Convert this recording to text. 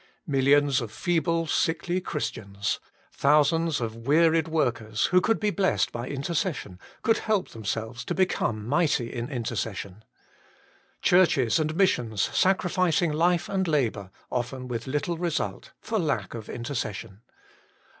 Millions of feeble, sickly Christians ; thousands of wearied workers, who could be blessed by intercession, could help themselves to become mighty in intercession. Churches and missions sacrificing life and labour often with little result, for lack of intercession.